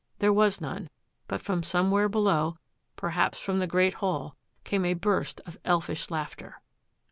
There was none, but from somewhere below, perhaps from the Great Hall, came a burst of elfish laughter.